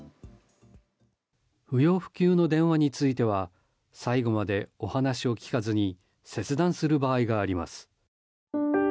不要不急の電話については最後までお話を聞かずに切断する場合があります。